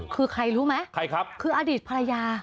คือใครรู้ไหมใครครับคืออดีตภรรยา